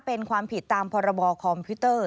เป็นความผิดตามพรบคอมพิวเตอร์